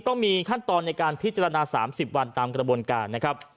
ต้องมีขั้นตอนในการพิจารณา๓๐วันตามกระบวนการนะครับ